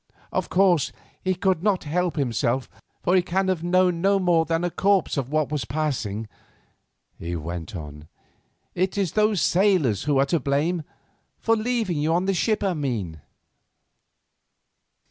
Of course, he could not help himself, for he can have known no more than a corpse of what was passing," he went on. "It is those sailors who are to blame—for leaving you on the ship, I mean."